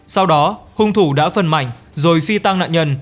sau đó hung thủ đã phần mảnh rồi phi tăng nạn nhân